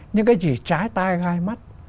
những cái gì trái tay gai mắt